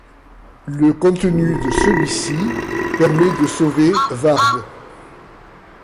Le contenu de celui-ci parmet de sauver Ward.